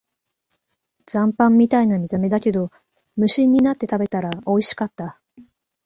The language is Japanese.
残飯みたいな見た目だけど、無心になって食べたらおいしかった